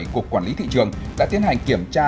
cục quản lý thị trường đã tiến hành kiểm tra